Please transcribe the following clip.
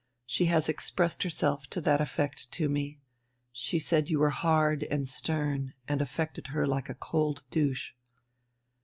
She has expressed herself to that effect to me. She said you were hard and stern and affected her like a cold douche."